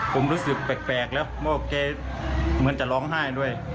ผมรู้สึกแปลกแล้วเพราะแกเหมือนจะร้องไห้ด้วย